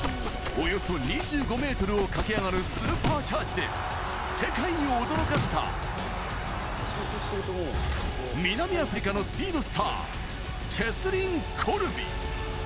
およそ２５ｍを駆け上がるスーパーチャージで世界を驚かせた、南アフリカのスピードスター、チェスリン・コルビ。